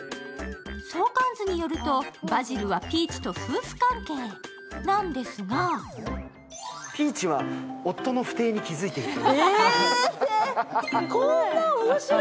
相関図によると、バジルはピーチと夫婦関係なんですがピーチは夫の不貞に気付いている。